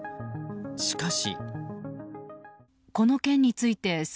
しかし。